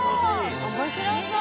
面白そう！